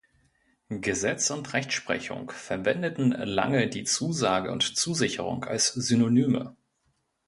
Gesetz und Rechtsprechung verwendeten lange die Zusage und Zusicherung als Synonyme.